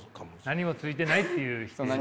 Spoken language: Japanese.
何もついてないっていう否定ですね。